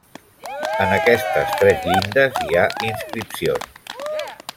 En aquestes tres llindes hi ha inscripcions.